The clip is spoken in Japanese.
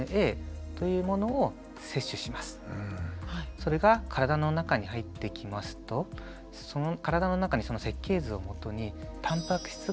それが体の中に入ってきますと体の中にその設計図をもとにたんぱく質が作られてきます。